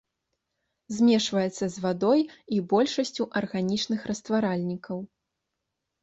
Змешваецца з вадой і большасцю арганічных растваральнікаў.